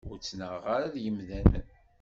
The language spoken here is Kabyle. Ur ttnaɣeɣ ara d yemdanen.